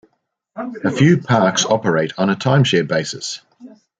A few parks operate on a time-share basis.